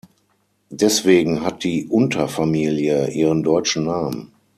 Deswegen hat die Unterfamilie ihren deutschen Namen.